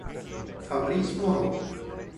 Fabrice Moreau